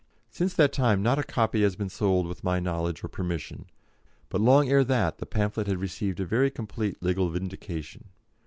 Since that time not a copy has been sold with my knowledge or permission, but long ere that the pamphlet had received a very complete legal vindication.